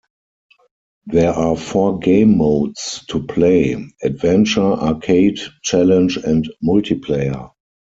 There are four game modes to play: Adventure, Arcade, Challenge, and Multiplayer.